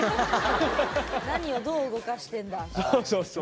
何をどう動かしてんだしか。